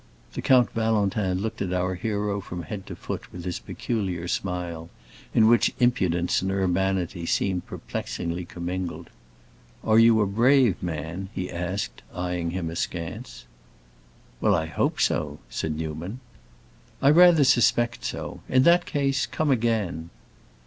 The Count Valentin looked at our hero from head to foot with his peculiar smile, in which impudence and urbanity seemed perplexingly commingled. "Are you a brave man?" he asked, eying him askance. "Well, I hope so," said Newman. "I rather suspect so. In that case, come again."